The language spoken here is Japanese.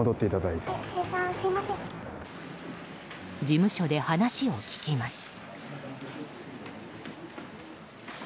事務所で話を聞きます。